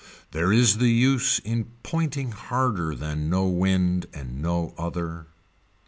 There is the use in pointing harder than no wind and no other.